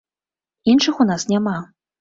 Іншых у нас няма.